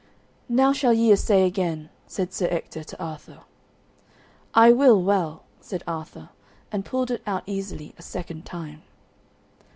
"Now shall ye assay again," said Sir Ector to Arthur. "I will well," said Arthur, and pulled it out easily a second time.